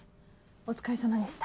お疲れさまでした。